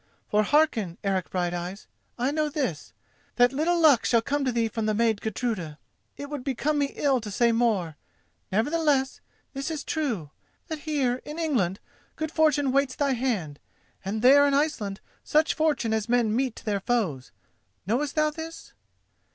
For hearken, Eric Brighteyes. I know this: that little luck shall come to thee from the maid Gudruda. It would become me ill to say more; nevertheless, this is true—that here, in England, good fortune waits thy hand, and there in Iceland such fortune as men mete to their foes. Knowest thou this?"